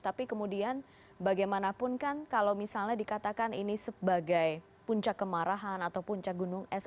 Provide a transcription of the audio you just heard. tapi kemudian bagaimanapun kan kalau misalnya dikatakan ini sebagai puncak kemarahan atau puncak gunung es